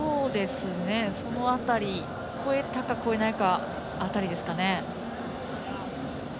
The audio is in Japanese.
その辺り超えたか超えないか辺りですかね。